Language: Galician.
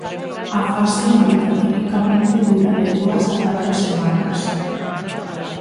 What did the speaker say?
A fase aguda tipicamente dura de dúas a catro semanas.